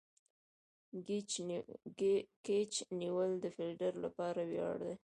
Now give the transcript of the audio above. کېچ نیول د فیلډر له پاره ویاړ دئ.